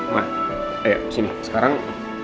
ma ayo kesini sekarang